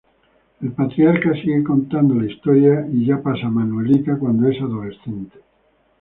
El Patriarca sigue contando la historia y ya pasa a Manuelita cuando es adolescente.